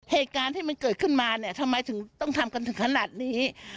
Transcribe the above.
เหตุการณ์ที่มันเกิดขึ้นมาเนี่ยทำไมถึงต้องทำกันถึงขนาดนี้